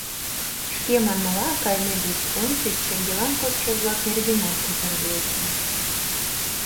— Шке манмыла, кайымет деч ончыч шеҥгелан кодшо-влак нергенат кутырыде ок лий.